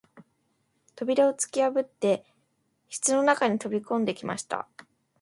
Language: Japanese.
扉をつきやぶって室の中に飛び込んできました